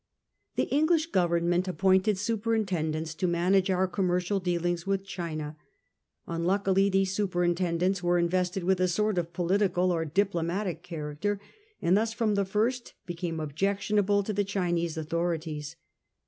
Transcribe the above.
The English Government appointed superinten dents to manage our commercial dealings with China. Unluckily these superintendents were invested with a sort of political or diplomatic character, and thus from the first became objectionable to the Chinese authorities.